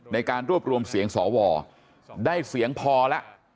ในการรวบรวมเสียงสวได้เสียงพอแล้ว